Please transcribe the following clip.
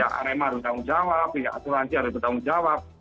ya rma harus bertanggung jawab ya asuransi harus bertanggung jawab